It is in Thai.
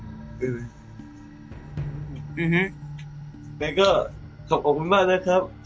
ครับแม่ก็ขอบคุณมากนะครับ